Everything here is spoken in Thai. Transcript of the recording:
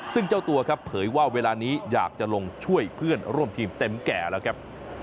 ซึ่งเจ้าตัวครับเผยว่าเวลานี้อยากจะลงช่วยเพื่อนร่วมทีมเต็มแก่แล้วครับ